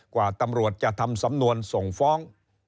กว่าตำรวจจะทำสำนวนส่งฟ้อง